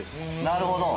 なるほど。